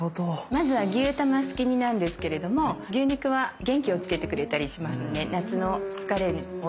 まずは牛卵すき煮なんですけれども牛肉は元気をつけてくれたりしますので夏の疲れをとってくれる食材ですね。